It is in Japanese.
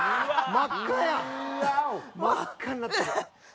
真っ赤になってる」